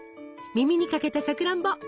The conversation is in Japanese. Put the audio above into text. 耳にかけたさくらんぼ！